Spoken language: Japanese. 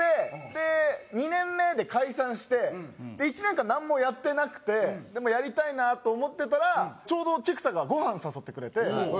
で２年目で解散して１年間なんもやってなくてでもやりたいなと思ってたらちょうど菊田がごはん誘ってくれて。